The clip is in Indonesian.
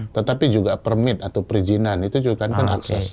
tetapi juga permit atau perizinan itu juga kan akses